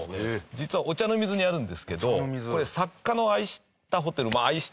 実は御茶ノ水にあるんですけどこれ作家の愛したホテル愛しているホテル。